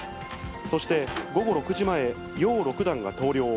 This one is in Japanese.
そして午後６時前、姚六段が投了。